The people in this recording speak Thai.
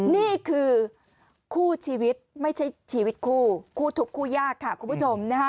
นี่คือคู่ชีวิตไม่ใช่ชีวิตคู่คู่ทุกข์คู่ยากค่ะคุณผู้ชมนะคะ